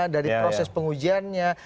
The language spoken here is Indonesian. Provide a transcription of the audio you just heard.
dari proses pengujiannya